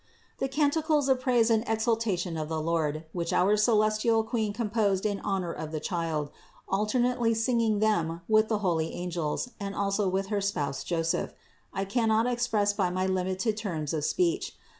509. The canticles of praise and exaltation of the Lord, which our celestial Queen composed in honor of the Child, alternately singing them with the holy angels and also with her spouse Joseph, I cannot express by my limited terms of speech.